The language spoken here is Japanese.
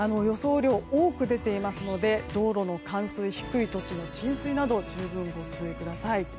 雨量が多く出ていますので道路の冠水、低い土地の浸水など十分ご注意ください。